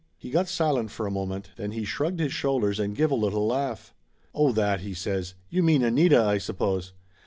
He got silent for a moment, then he shrugged his shoulders and give a little laugh. "Oh, that !" he says. "You mean Anita, I suppose.